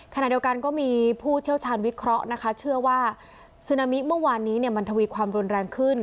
ขณะเดียวกันก็มีผู้เชี่ยวชาญวิเคราะห์นะคะเชื่อว่าซึนามิเมื่อวานนี้มันทวีความรุนแรงขึ้น